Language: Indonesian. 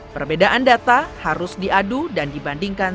perbedaan data harus diadu dan dibandingkan